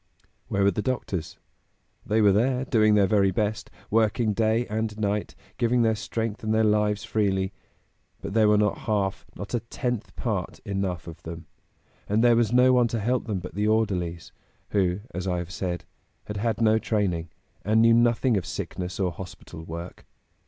'" Where were the doctors? They were there, doing their very best; working day and night, giving their strength and their lives freely; but there were not half, not a tenth part, enough of them; and there was no one to help them but the orderlies, who, as I have said, had had no training, and knew nothing of sickness or hospital work.